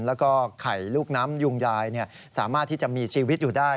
แล้วก็ไข่ลูกน้ำยุงยายสามารถที่จะมีชีวิตอยู่ได้